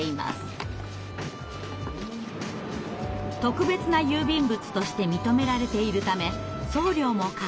特別な郵便物として認められているため送料もかかりません。